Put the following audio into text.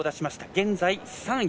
現在３位。